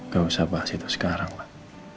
gak usah bahas itu sekarang lah